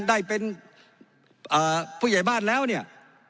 ได้เป็นผู้ใหญ่บ้านแล้วเนี่ย